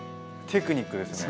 テクニックですね。